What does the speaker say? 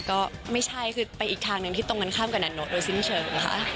ก็ไม่ใช่คือไปอีกทางหนึ่งที่ตรงกันข้ามกับนันนกโดยสิ้นเชิงค่ะ